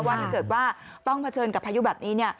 ถ้าเกิดว่าต้องเผชิญกับพายุแบบนี้